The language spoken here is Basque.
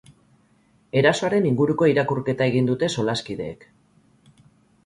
Erasoaren inguruko irakurketa egin dute solaskideek.